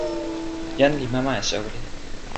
jan li mama e soweli.